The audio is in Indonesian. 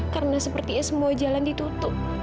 karena sepertinya semua jalan ditutup